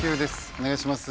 お願いします